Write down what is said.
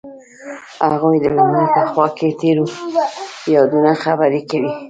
هغوی د لمر په خوا کې تیرو یادونو خبرې کړې.